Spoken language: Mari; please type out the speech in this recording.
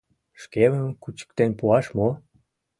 — Шкемым кучыктен пуаш мо?